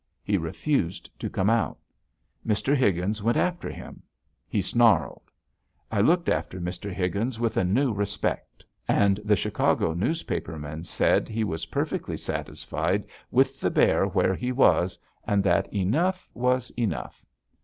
He refused to come out. Mr. Higgins went after him. He snarled. I looked after Mr. Higgins with a new respect, and the Chicago newspaper man said he was perfectly satisfied with the bear where he was, and that enough was enough.